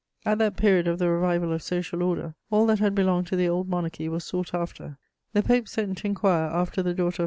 At that period of the revival of social order, all that had belonged to the old monarchy was sought after. The Pope sent to inquire after the daughter of M.